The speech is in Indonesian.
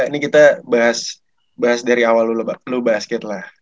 ini kita bahas dari awal lu basket lah